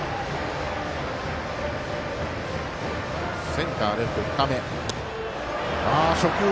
センター、レフト深め。